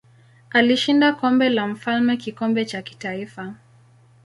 Alishinda Kombe la Mfalme kikombe cha kitaifa.